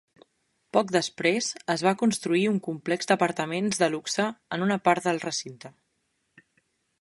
Poc després es va construir un complex d'apartaments de luxe en una part del recinte.